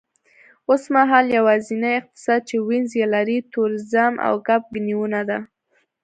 اوسمهال یوازینی اقتصاد چې وینز یې لري، تورېزم او کب نیونه ده